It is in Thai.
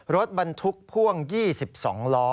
รถบรรทุกพ่วง๒๒ล้อ